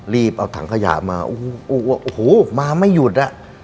รีบเอาถังขยะมาโอ้โหมาไม่หยุดอ่ะ